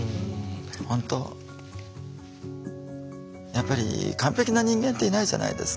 やっぱり完璧な人間っていないじゃないですか。